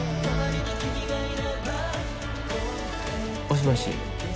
もしもし。